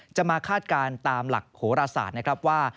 จะมาคาดการณ์ตามหลักโหราศาสตร์นะครับว่า